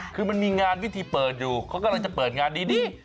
คือมันมีงานวิธีเปิดอยู่เขากำลังจะเปิดงานดี